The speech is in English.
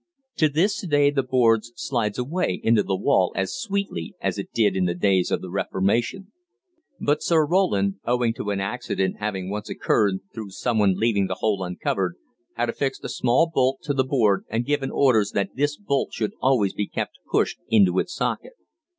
To this day the board slides away into the wall as "sweetly" as it did in the days of the Reformation; but Sir Roland, owing to an accident having once occurred through someone leaving the hole uncovered, had affixed a small bolt to the board and given orders that this bolt should always be kept pushed into its socket.